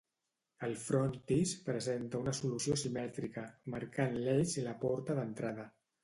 El frontis presenta una solució simètrica, marcant l'eix la porta d'entrada.